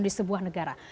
di sebuah negara